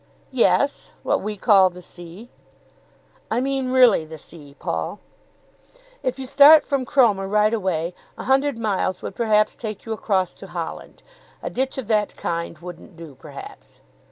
"Yes; what we call the sea." "I mean really the sea, Paul?" "If you start from Cromer right away, a hundred miles would perhaps take you across to Holland. A ditch of that kind wouldn't do perhaps."